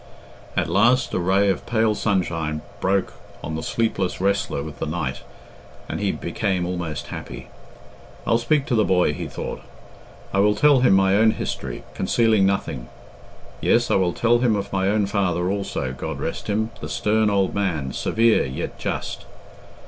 At last a ray of pale sunshine broke on the sleepless wrestler with the night, and he became almost happy. "I'll speak to the boy," he thought. "I will tell him my own history, concealing nothing. Yes, I will tell him of my own father also, God rest him, the stern old man severe, yet just."